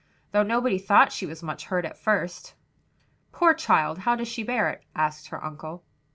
though nobody thought she was much hurt at first." "Poor child! how does she bear it?" asked her uncle.